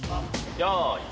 よい